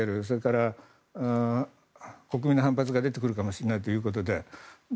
それから国民の反発が出てくるかもしれないということで。